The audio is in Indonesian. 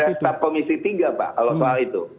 kita harus tanya kepada staf komisi tiga pak kalau soal itu